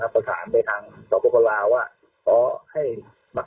สำหรับท่านผู้ว่าก็จะขอทำหนังสือกับทางกรงคลุมใหญ่นะครับ